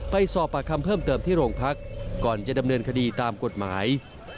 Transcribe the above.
ไปสอบปากคำเพิ่มเติมที่โรงพักก่อนจะดำเนินคดีตามกฎหมาย